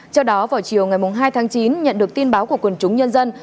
trước đó vào chiều ngày hai tháng chín nhận được tin báo của quần chúng nhân dân